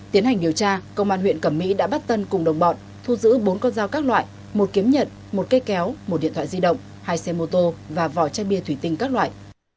tiến hành điều tra công an huyện cẩm mỹ đã bắt tân cùng đồng bọn thu giữ bốn con dao các loại một kiếm nhật một cây kéo một điện thoại di động hai xe mô tô và vỏ chai bia thủy tinh các loại